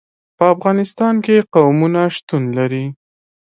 په افغانستان کې قومونه شتون لري.